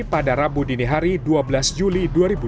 pada rabu dini hari dua belas juli dua ribu dua puluh